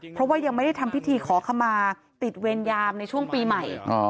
เพราะว่ายังไม่ได้ทำพิธีขอขมาติดเวรยามในช่วงปีใหม่